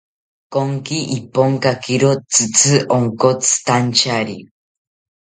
Konki Iponkakiro tzitzi onkotzitantyari